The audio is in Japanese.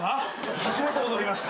初めて踊りました。